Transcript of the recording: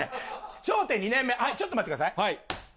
笑点２年目、ちょっと待ってください。